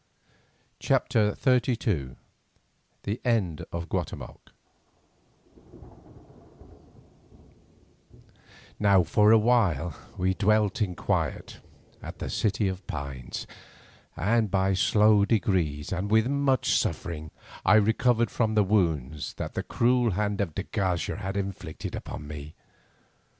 CHAPTER XXXII THE END OF GUATEMOC Now for a while we dwelt in quiet at the City of Pines, and by slow degrees and with much suffering I recovered from the wounds that the cruel hand of de Garcia had inflicted upon me.